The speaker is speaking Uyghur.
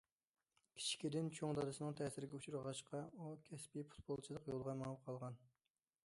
كىچىكىدىن چوڭ دادىسىنىڭ تەسىرىگە ئۇچرىغاچقا، ئۇ كەسپىي پۇتبولچىلىق يولىغا مېڭىپ قالغان.